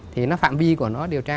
thì phạm vi của nó điều tra